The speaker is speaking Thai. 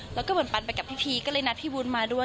แล้วก็เหมือนปันไปกับพิธีก็เลยนัดพี่วุ้นมาด้วย